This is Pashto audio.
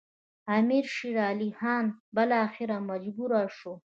امیر شېر علي خان بالاخره مجبور شو.